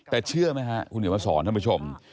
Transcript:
แต่เชื่อไหมฮะคุณเดี๋ยวมาสอนท่านผู้ชม